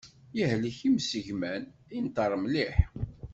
Ihlek imsigman, inṭer mliḥ.